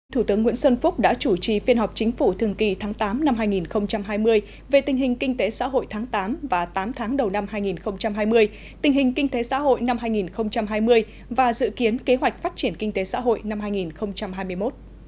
thủ tướng nguyễn xuân phúc đã chủ trì phiên họp chính phủ thường kỳ tháng tám năm hai nghìn hai mươi về tình hình kinh tế xã hội tháng tám và tám tháng đầu năm hai nghìn hai mươi tình hình kinh tế xã hội năm hai nghìn hai mươi và dự kiến kế hoạch phát triển kinh tế xã hội năm hai nghìn hai mươi một